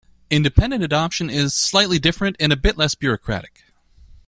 Independent adoption is slightly different and a bit less bureaucratic.